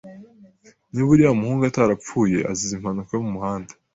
Niba uriya muhungu atarapfuye azize impanuka yo mumuhanda,